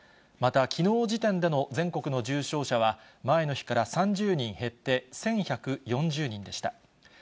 また、きのう時点での全国の重症者は、前の日から３０人減って１１４０人でした。